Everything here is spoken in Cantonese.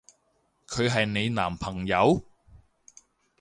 佢係你男朋友？